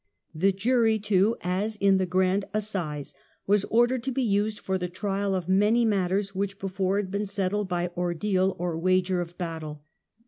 The jury too, as in the Grand Assize, was ordered to be used for the trial of many matters which before had been settled by ordeal or wager REBELLION OF 1 1 73 74. 29 of battle.